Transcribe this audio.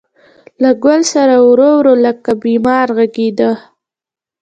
له ګل ســـــــره ورو، ورو لکه بیمار غـــــــږېده